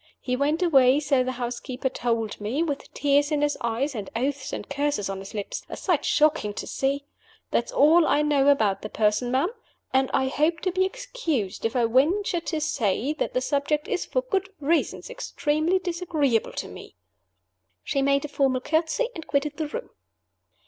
He went away, so the housekeeper told me, with tears in his eyes, and oaths and curses on his lips a sight shocking to see. That's all I know about the Person, ma'am, and I hope to be excused if I venture to say that the subject is (for good reasons) extremely disagreeable to me." She made a formal courtesy, and quitted the room.